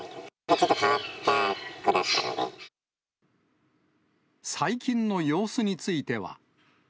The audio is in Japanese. ちょっと変わった子だった最近の様子については。